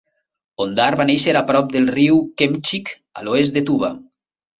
Ondar va néixer a prop del riu Khemchik a l'oest de Tuva.